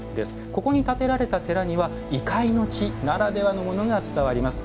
ここに建てられた寺には異界の地ならではのものが伝わります。